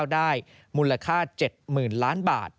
ได้มูลค่า๗๐๐๐ล้านบาท